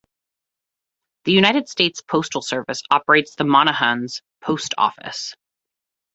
The United States Postal Service operates the Monahans Post Office.